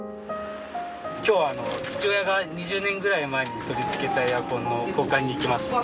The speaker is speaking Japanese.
今日は父親が２０年ぐらい前に取り付けたエアコンの交換に行きます